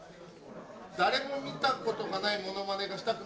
誰も見たことがないモノマネがしたくなるプリン。